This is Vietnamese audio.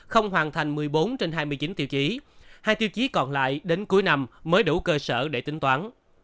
không hoàn thành một mươi bốn trên hai mươi chín tiêu chí hai tiêu chí còn lại đến cuối năm mới đủ cơ sở để tính toán